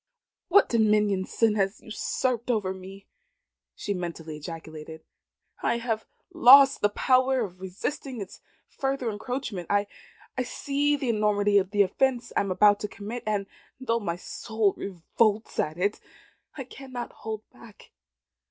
"What dominion sin has usurped over me!" she mentally ejaculated. "I have lost the power of resisting its further encroachment. I see the enormity of the offence I am about to commit, and though my soul revolts at it, I cannot hold back.